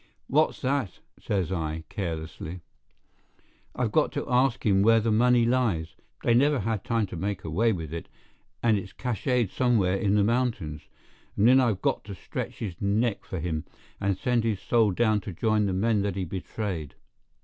"What's that?" says I, carelessly. "I've got to ask him where the money lies—they never had time to make away with it, and it's cach├®d somewhere in the mountains—and then I've got to stretch his neck for him, and send his soul down to join the men that he betrayed."